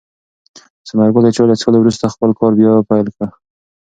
ثمر ګل د چای له څښلو وروسته خپل کار بیا پیل کړ.